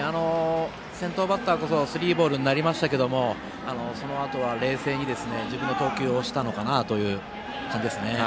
先頭バッターこそスリーボールになりましたけどもそのあとは冷静に自分の投球をしたのかなという感じです。